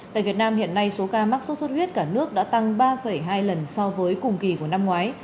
tại việt nam hiện nay số ca mắc sốt xuất huyết cả nước đã tăng ba hai lần so với cùng kỳ của năm ngoái